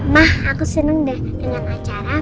mah aku seneng deh dengan acara